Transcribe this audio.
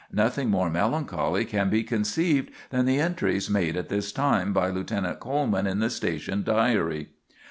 Nothing more melancholy can be conceived than the entries made at this time by Lieutenant Coleman in the station diary.